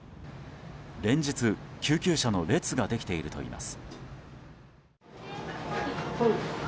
連日、救急車の列ができているといいます。